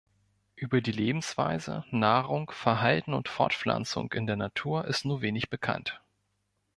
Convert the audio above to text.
Über die Lebensweise, Nahrung, Verhalten und Fortpflanzung in der Natur ist nur wenig bekannt.